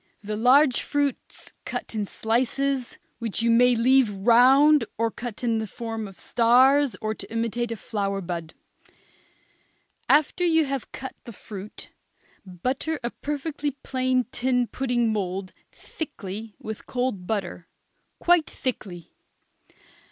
The large fruits cut in slices, which you may leave round or cut in the form of stars or to imitate a flower bud. After you have cut the fruit, butter a perfectly plain tin pudding mould thickly with cold butter, quite thickly.